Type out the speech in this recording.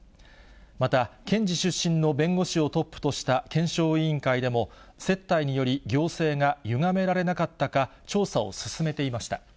また検事出身の弁護士をトップとした検証委員会でも、接待により行政がゆがめられなかったか調査を進めていました。